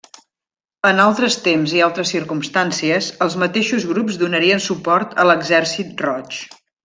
En altres temps i altres circumstàncies, els mateixos grups donarien suport a l'Exèrcit Roig.